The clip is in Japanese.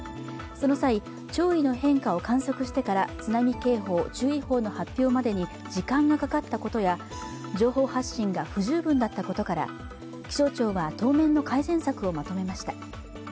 その際、潮位の変化を観測してから津波警報・注意報の発表までに時間がかかったことや情報発信が不十分だったことから気象庁は当面の改善策をまとめました。